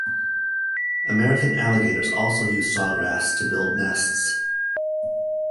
American Alligators also use sawgrass to build nests.